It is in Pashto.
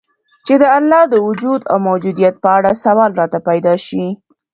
چي د الله د وجود او موجودیت په اړه سوال راته پیدا سي